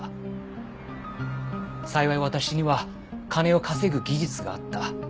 幸い私には金を稼ぐ技術があった。